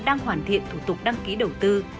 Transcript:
đang hoàn thiện thủ tục đăng ký đầu tư